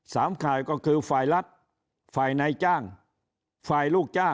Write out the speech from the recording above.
สามฝ่าย